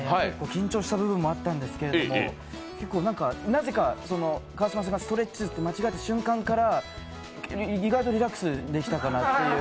緊張した部分もあったんですが、なぜか川島さんがストレッチーズって間違った瞬間から意外とリラックスできたかなという。